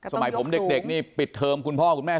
สมัยผมเด็กนี่ปิดเทอมคุณพ่อคุณแม่